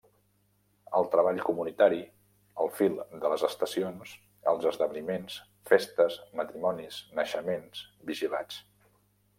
El treball comunitari, al fil de les estacions, els esdeveniments, festes, matrimonis, naixements, vigilats.